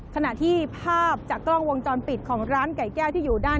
ขณะที่ภาพจากกล้องวงจรปิดของร้านไก่แก้วที่อยู่ด้าน